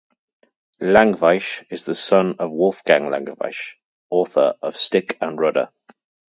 Langewiesche is the son of Wolfgang Langewiesche, author of "Stick and Rudder".